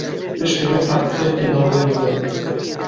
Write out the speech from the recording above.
Piştî vê hefteyekî navber bidin